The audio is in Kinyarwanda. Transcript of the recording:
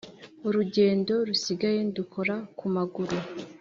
urugendo rusigaye ndukora ku maguru